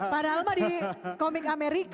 padahal mah di komik amerika